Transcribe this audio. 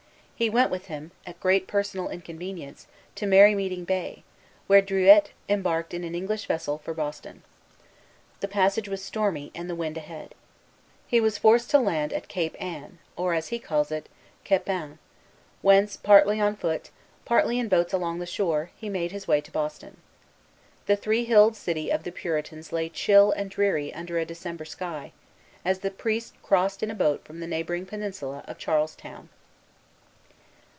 He went with him, at great personal inconvenience, to Merrymeeting Bay, where Druilletes embarked in an English vessel for Boston. The passage was stormy, and the wind ahead. He was forced to land at Cape Ann, or, as he calls it, Kepane, whence, partly on foot, partly in boats along the shore, he made his way to Boston. The three hilled city of the Puritans lay chill and dreary under a December sky, as the priest crossed in a boat from the neighboring peninsula of Charlestown.